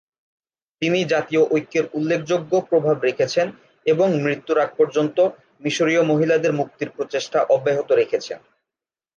তিনি জাতীয় ঐক্যের উল্লেখযোগ্য প্রভাব রেখেছেন এবং মৃত্যুর আগ পর্যন্ত মিশরীয় মহিলাদের মুক্তির প্রচেষ্টা অব্যাহত রেখেছেন।